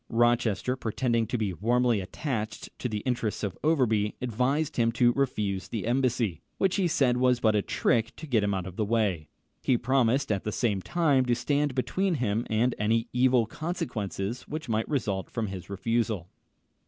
Rochester, pretending to be warmly attached to the interests of Overbury, advised him to refuse the embassy, which he said was but a trick to get him out of the way. He promised, at the same time, to stand between him and any evil consequences which might result from his refusal.